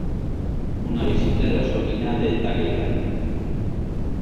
Una visita de la sobrina de Talleyrand.